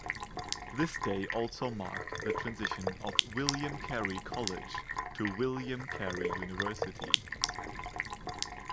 This day also marked the transition of William Carey "College" to William Carey "University.